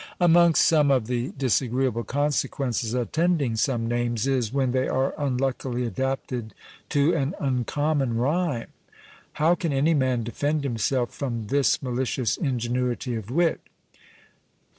Amongst some of the disagreeable consequences attending some names, is, when they are unluckily adapted to an uncommon rhyme; how can any man defend himself from this malicious ingenuity of wit?